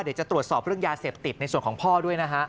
เดี๋ยวจะตรวจสอบเรื่องยาเสพติดในส่วนของพ่อด้วยนะฮะ